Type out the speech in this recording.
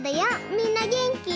みんなげんき？